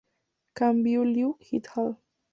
Kam-biu Liu "et al.